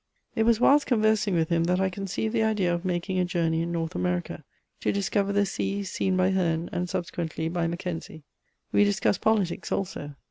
It was whilst conversing with him that I conceived the idea of making a journey in North America, to discover the sea seen by Heame, and subsequently by Mackenzie.* We discussed politics also.